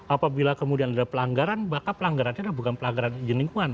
apabila kemudian ada pelanggaran maka pelanggarannya adalah bukan pelanggaran izin lingkungan